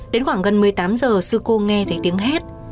đến khoảng gần một mươi tám h sư cô nghe thấy tiếng hét